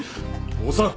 おっさん。